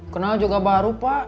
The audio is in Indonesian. kenal juga baru pak